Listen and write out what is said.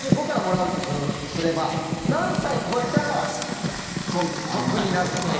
７５からもらうとすれば何歳超えたら得になるのか。